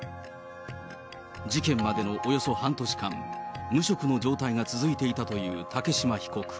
事件までのおよそ半年間、無職の状態が続いていたという竹島被告。